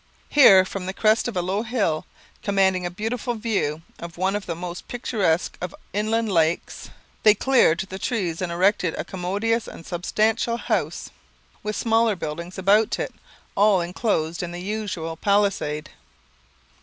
Here, from the crest of a low hill, commanding a beautiful view of one of the most picturesque of inland lakes, they cleared the trees and erected a commodious and substantial house, with smaller buildings about it, all enclosed in the usual palisade.